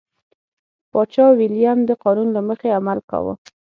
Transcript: پاچا ویلیم د قانون له مخې عمل کاوه.